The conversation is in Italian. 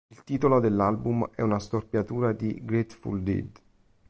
Il titolo dell'album è una storpiatura di "Grateful Dead".